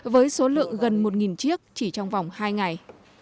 với số lượng gần một chiếc chỉ trong vòng hai ngày